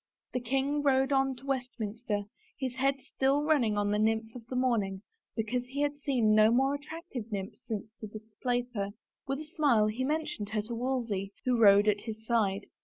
The king rode on to Westminster, his head still run ning on the nymph of the morning because he had seen no more attractive nymph since to displace her. With a smile he mentioned her to Wolsey, who rode at his side.